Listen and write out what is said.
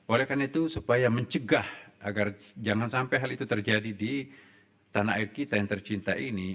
oleh karena itu supaya mencegah agar jangan sampai hal itu terjadi di tanah air kita yang tercinta ini